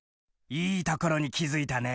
いいところに気付いたね。